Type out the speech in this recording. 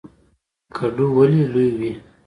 کدو ولې لوی وي؟